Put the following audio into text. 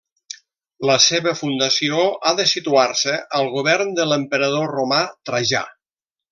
La seva fundació ha de situar-se al govern de l'emperador romà Trajà.